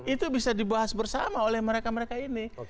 itu bisa dibahas bersama oleh mereka mereka ini